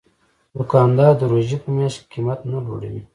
دوکاندار د روژې په میاشت کې قیمت نه لوړوي.